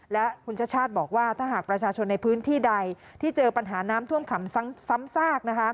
และคุณชาติชาติบอกว่าถ้าหากประชาชนในพื้นที่ใดที่เจอปัญหาน้ำท่วมขังซ้ำซาก